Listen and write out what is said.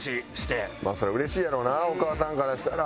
それはうれしいやろうなお母さんからしたら。